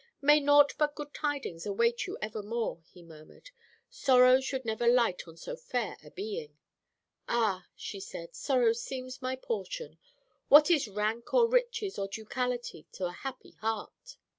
"'May naught but good tidings await you ever more!' he murmured. 'Sorrow should never light on so fair a being.' "'Ah,' she said, 'sorrow seems my portion. What is rank or riches or ducality to a happy heart!'"